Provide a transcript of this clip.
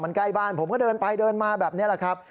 มันใกล้บ้านผมก็เดินไปเดินมาแบบนี้แหละครับ